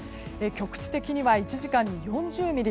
局地的には１時間に４０ミリ。